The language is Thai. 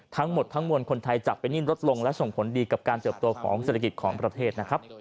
ทั้งหมดทั้งมวลคนไทยจับไปนิ่นลดลงและส่งผลดีกับการเติบโตของเศรษฐกิจของประเทศนะครับ